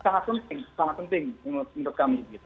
yang sangat penting menurut kami gitu